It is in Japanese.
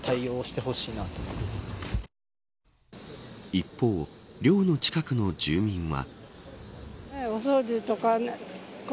一方、寮の近くの住民は。